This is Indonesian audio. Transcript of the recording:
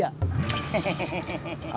ah kang ngomor bercanda aja